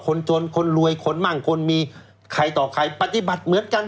คนจนคนรวยคนมั่งคนมีใครต่อใครปฏิบัติเหมือนกัน